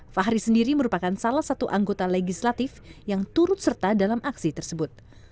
fahri sendiri merupakan salah satu anggota legislatif yang turut serta dalam aksi tersebut